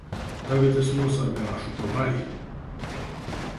Tagad es nosargāšu ka vai!